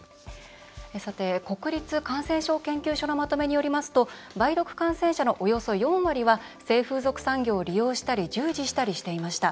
さて国立感染症研究所のまとめによりますと梅毒感染者の、およそ４割は性風俗産業を利用したり従事したりしていました。